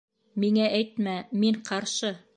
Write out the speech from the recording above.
Миңә әйтмә, мин ҡаршы!